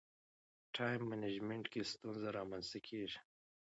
ټایم منجمنټ کې ستونزې رامنځته کېږي.